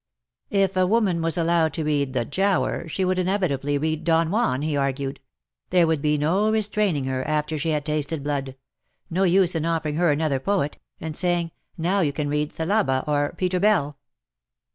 If a woman was allowed to read tlie " Giaour,''^ she would inevitably read '' Don Juan/^ he argued ; there would be no restraining her_, after she had tasted blood — no use in offering her another poet^ and saying, Now you can read "Thalaba/^ or '^'^ Peter Bell."